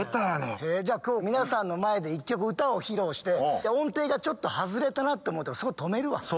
じゃあ今日皆さんの前で一曲歌を披露して音程がちょっと外れたと思ったらそこで止めるわ。